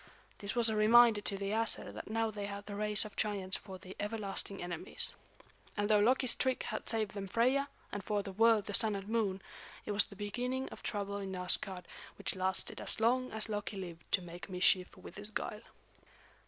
This was a reminder to the Æsir that now they had the race of giants for their everlasting enemies. And though Loki's trick had saved them Freia, and for the world the Sun and Moon, it was the beginning of trouble in Asgard which lasted as long as Loki lived to make mischief with his guile.